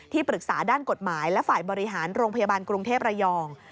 ปรึกษาด้านกฎหมายและฝ่ายบริหารโรงพยาบาลกรุงเทพระยอง